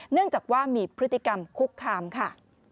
เนื่องจากว่ามีพฤติกรรมคุกคามค่ะ